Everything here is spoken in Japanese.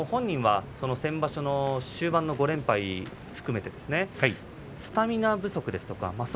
本人は先場所の終盤の５連敗含めてスタミナ不足ですと。